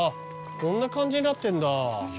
こんな感じになってんだ